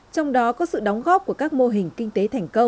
trong đó có sự đóng góp của các mô hình kinh tế